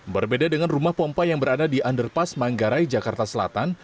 berbeda dengan rumah pompa yang berada di underpass manggarai jakarta selatan